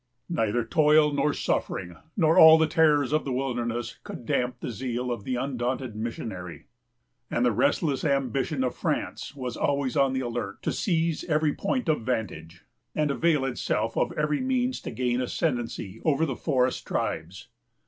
Neither toil, nor suffering, nor all the terrors of the wilderness, could damp the zeal of the undaunted missionary; and the restless ambition of France was always on the alert to seize every point of vantage, and avail itself of every means to gain ascendency over the forest tribes.